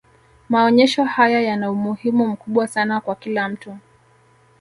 maonyesho haya yana umuhimu mkubwa sana kwa kila mtu